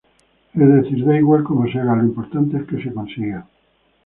Es decir, da igual cómo se haga, lo importante es que se consiga.